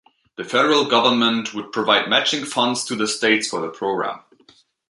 The federal government would provide matching funds to the states for the program.